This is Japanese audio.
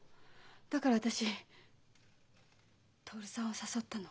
だから私徹さんを誘ったの。